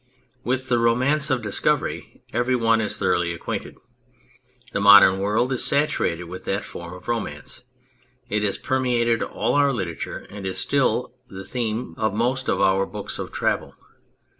With the Romance of Discovery every one is thoroughly acquainted. The modern world is satur ated with that form of romance ; it has permeated all our literature and is still the theme of most of our books of travel.